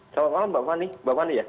selamat malam pak fani